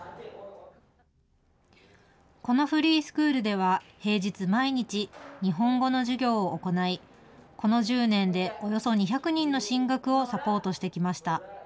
このフリースクールでは、平日毎日、日本語の授業を行い、この１０年でおよそ２００人の進学をサポートしてきました。